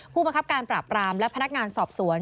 ผู้บังคับการปราบปรามและพนักงานสอบสวน